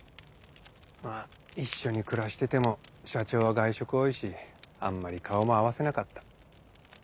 まぁ一緒に暮らしてても社長は外食多いしあんまり顔も合わせなかった。